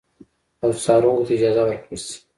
او څارونکو ته اجازه ورکړل شي